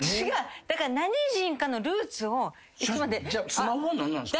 スマホは何なんですか？